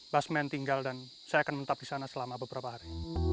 basmen tinggal dan saya akan menetap di sana selama beberapa hari